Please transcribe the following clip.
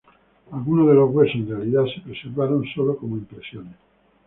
Algunos de los huesos en realidad se preservaron solo como impresiones.